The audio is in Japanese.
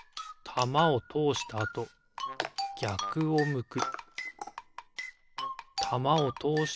たまをとおしたあとぎゃくを向く。